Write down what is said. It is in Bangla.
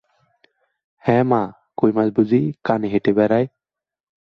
হ্যাঁ মা, কইমাছ বুঝি কানে হেঁটে বেড়ায়?